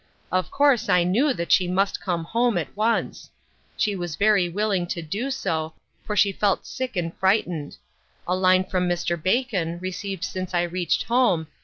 Of course I knew that she must come home at once. She was very willing to do so, for she felt sick and frightened. A line from Mr. Bacon, received since I reached home